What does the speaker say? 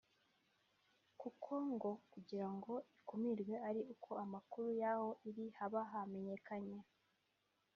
kuko ngo kugira ngo ikumirwe ari uko amakuru y’aho iri haba hamenyekanye